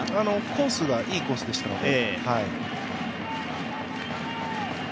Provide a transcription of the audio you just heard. コースがいいコースでしたので。